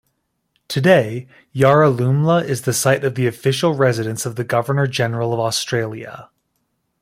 Today, Yarralumla is the site of the official residence of the Governor-General of Australia.